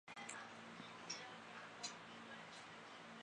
科扎克还参加过多届世界锦标赛和欧洲锦标赛。